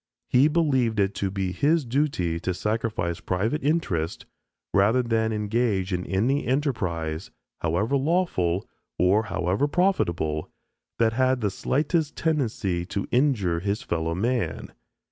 He believed it to be his duty to sacrifice private interest, rather than engage in any enterprise, however lawful ... or however profitable, that had the slightest tendency to injure his fellow man.